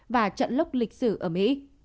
và trận lốc lịch sử ở mỹ